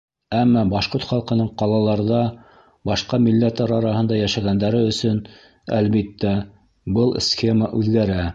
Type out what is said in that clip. Әммә башҡорт халҡының ҡалаларҙа, башҡа милләттәр араһында йәшәгәндәре өсөн, әлбиттә, был схема үҙгәрә.